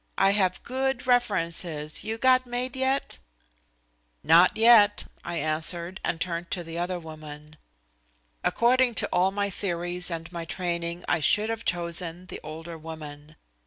I have good references. You got maid yet?" "Not yet," I answered, and turned to the other woman. According to all my theories and my training I should have chosen the older woman.